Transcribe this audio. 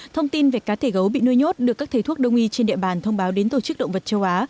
thông tin về cá thể gấu bị nuôi nhốt được các thầy thuốc đông y trên địa bàn thông báo đến tổ chức động vật châu á